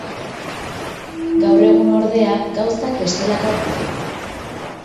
Gaur egun, ordea, gauzak bestelakoak dira.